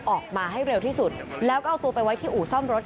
ออกมาให้เร็วที่สุดแล้วก็เอาตัวไปไว้ที่อู่ซ่อมรถ